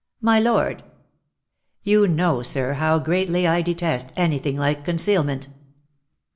"My lord!" "You know, sir, how greatly I detest anything like concealment."